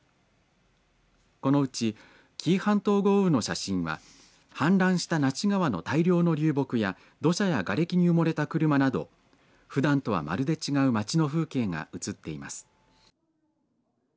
このうち、紀伊半島豪雨の写真は氾濫した那智川の大量の流木や土砂や瓦れきに埋もれた車などふだんとはまるで違う町の風景が写っています。